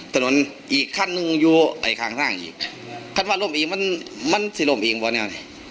ถนนอีกขั้นหนึ่งอยู่ไอ้ข้างหน้างอีกขั้นวัดล่มอีกมันมันสิล่มอีกบ่อนี้